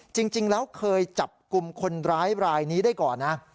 จริงแล้วเคยจับกลุ่มคนร้ายรายนี้ได้ก่อนนะ